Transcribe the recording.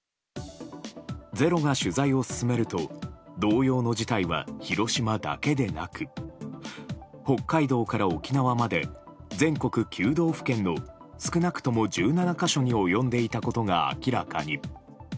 「ｚｅｒｏ」が取材を進めると同様の事態は広島だけでなく北海道から沖縄まで全国９道府県の少なくとも１７か所に及んでいたことが明らかに。